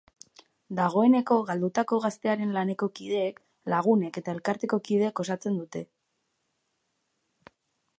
Dagoeneko galdutako gaztearen laneko kideek, lagunek eta elkarteko kideek osatzen dute.